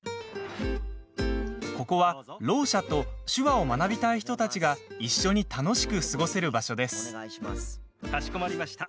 ここは、ろう者と手話を学びたい人たちが一緒に楽しく過ごせる場所です。